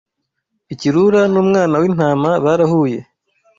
Ikirura n'umwana w'intama barahuye